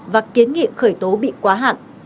và kiến nghị khởi động tội phạm